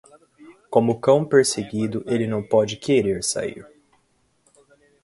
Como o cão perseguido, ele não pode querer sair.